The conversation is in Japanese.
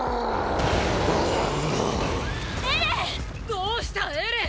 どうしたエレン！！